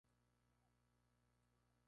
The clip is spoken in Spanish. El Campo Deportivo se encuentra en Cno.